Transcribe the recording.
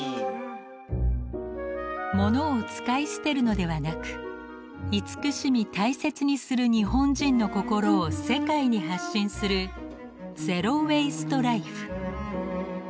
物を使い捨てるのではなく慈しみ大切にする日本人の心を世界に発信する「ＺｅｒｏＷａｓｔｅＬｉｆｅ」。